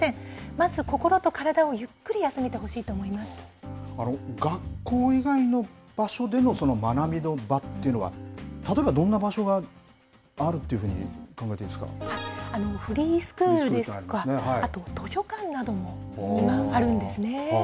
まず心と体をゆっくり休めてほし学校以外の場所での学びの場というのは、例えばどんな場所があるっていうふうに考えたらいいフリースクールですとか、あと図書館なども今、あるんですね。